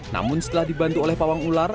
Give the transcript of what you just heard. namun setelah dibantu oleh pawang ular